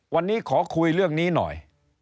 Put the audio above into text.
วันนี้ขอคุยเรื่องนี้หน่อย